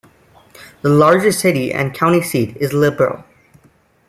The largest city and county seat is Liberal.